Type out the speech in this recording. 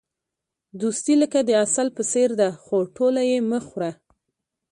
دوستي لکه د عسل په څېر ده، خو ټوله یې مه خوره.